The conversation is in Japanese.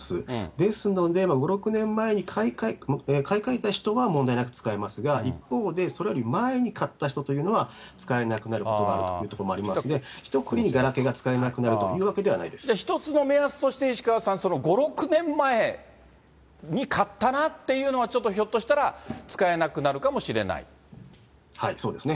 ですので、５、６年前に買い替えた人は問題なく使えますが、一方で、それより前に買った人というのは使えなくなるということがあるということもありますので、ひとくくりにガラケーが使えなくなると一つの目安として、石川さん、５、６年前に買ったなっていうのは、ちょっとひょっとしたら、はい、そうですね。